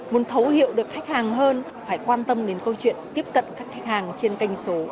muốn thấu hiểu được khách hàng hơn phải quan tâm đến câu chuyện tiếp cận các khách hàng trên kênh số